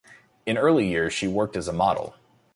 In early years she worked as a model.